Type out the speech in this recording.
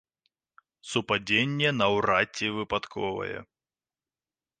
Супадзенне наўрад ці выпадковае.